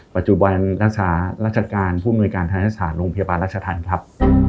ปัจจุบันรัฐศาสตร์รัชการผู้งวยการทางรัฐศาสตร์โรงพยาบาลรัชทันครับ